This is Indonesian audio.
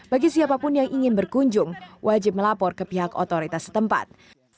bagi siapapun yang ingin berkunjung wajib melapor ke pihak otoritas setempat